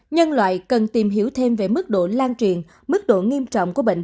nhân loại cần tìm hiểu thêm về mức độ lan truyền mức độ nghiêm trọng của bệnh